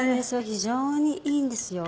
非常にいいんですよ。